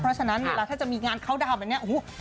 เพราะฉะนั้นเวลาที่จะมีงานเขาทำแบบนี้